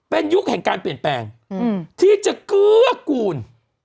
เป็นยุคแห่งการเปลี่ยนแปลงที่จะเกื้อกูล